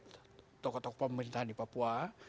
tokoh tokoh pemerintahan di papua